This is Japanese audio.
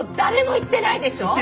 言ってないでしょ。